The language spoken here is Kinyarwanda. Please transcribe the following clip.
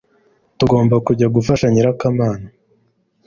Tugomba kujya gufasha nyirakamana